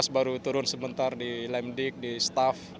baru turun sebentar di lemdik di staff